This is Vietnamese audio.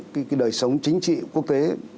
cái đời sống chính trị quốc tế